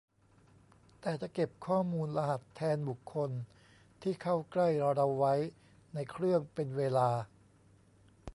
แต่จะเก็บข้อมูลรหัสแทนบุคคลที่เข้าใกล้เราไว้ในเครื่องเป็นเวลา